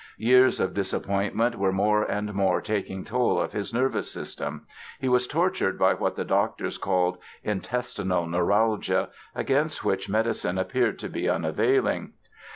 Years of disappointment were more and more taking toll of his nervous system. He was tortured by what the doctors called "intestinal neuralgia", against which medicine appeared to be unavailing.